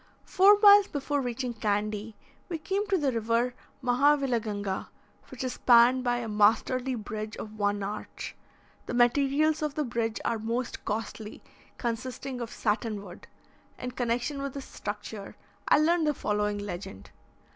Four miles before reaching Candy, we came to the river Mahavilaganga, which is spanned by a masterly bridge of one arch. The materials of the bridge are most costly, consisting of satin wood. In connection with this structure, I learned the following legend.